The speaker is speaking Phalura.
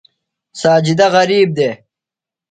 ساجدہ غریب دےۡ۔